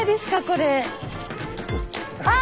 これ。